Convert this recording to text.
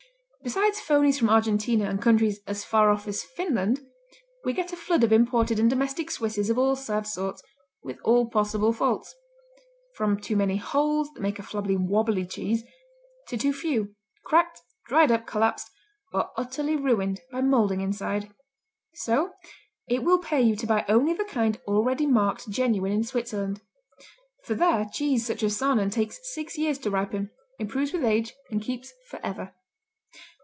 Besides phonies from Argentina and countries as far off as Finland, we get a flood of imported and domestic Swisses of all sad sorts, with all possible faults from too many holes, that make a flabby, wobbly cheese, to too few cracked, dried up, collapsed or utterly ruined by molding inside. So it will pay you to buy only the kind already marked genuine in Switzerland. For there cheese such as Saanen takes six years to ripen, improves with age, and keeps forever.